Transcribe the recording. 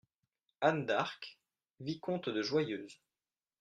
Anne D’ARQUES , vicomte DE JOYEUSE.